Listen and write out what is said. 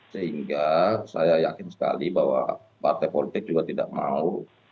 sehingga saya yakin sekali bahwa partai politik juga tidak mau